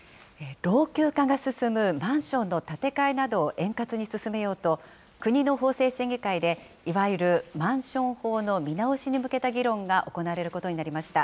老朽化が進むマンションの建て替えなどを円滑に進めようと、国の法制審議会でいわゆるマンション法の見直しに向けた議論が行われることになりました。